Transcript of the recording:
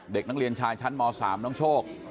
เด็กนักเรียนชายชั้นม๓น้องโชค